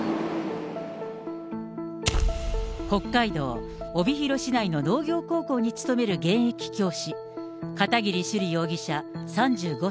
北海道帯広市内の農業高校に勤める現役教師、片桐朱璃容疑者３５歳。